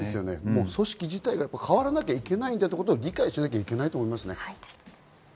組織自体、変わらなきゃいけないんだということを理解しなきゃいけないですね。